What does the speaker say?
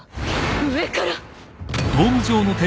上から！？